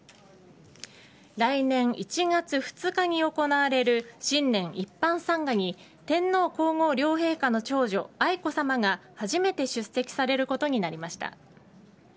来年１月２日に行われる新年一般参賀に天皇皇后両陛下の長女愛子さまが初めて出席されることになりました。